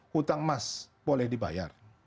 hutang emas boleh dibayar